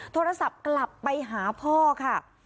โทรศัพท์กลับไปหาพ่อค่ะ